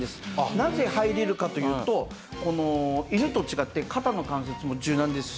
なぜ入れるかというと犬と違って肩の関節も柔軟ですし